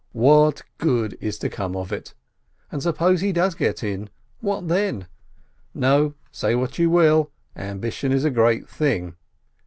What good is to come of it? And suppose he does get in, what then?" No, say what you will, ambition is a great thing.